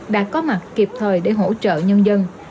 đã có mặt kịp thời để hỗ trợ nhân dân